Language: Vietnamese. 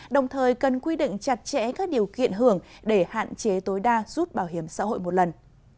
đồng thời cần quy định chặt chẽ các điều kiện hưởng để hạn chế tối đa rút bảo hiểm xã hội một lần